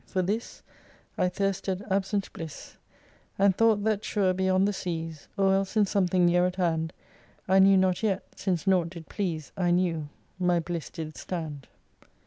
For this I thirsted absent bliss, And thought that sure beyond the seas, Or else in something near at hand I knew not yet, (since nought did please I knew,) my bliss did stand.